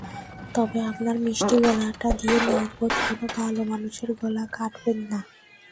তবে আপনার মিষ্টি গলাটা দিয়ে নির্বোধ কোনো ভালো মানুষের গলা কাটবেন না।